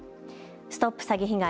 ＳＴＯＰ詐欺被害！